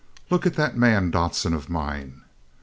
Look at that man, Dodson, of mine.